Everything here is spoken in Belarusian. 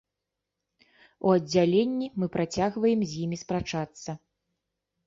У аддзяленні мы працягваем з імі спрачацца.